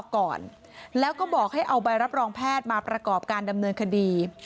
ก่อนแล้วก็บอกให้เอาใบรับรองแพทย์มาประกอบการดำเนินคดี